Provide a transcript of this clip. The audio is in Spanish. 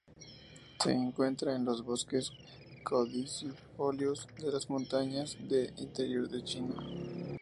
Se encuentra en los bosques caducifolios de las montañas del interior de China.